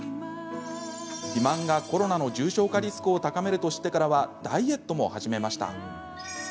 肥満がコロナの重症化リスクを高めると知ってからはダイエットも始めました。